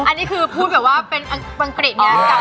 อันนี้คือพูดแบบเป็นเวียงอังกฤษ